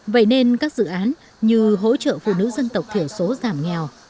vậy nên các dự án như hỗ trợ phụ nữ dân tộc thiểu số giảm nghèo